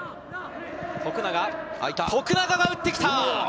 徳永が打ってきた。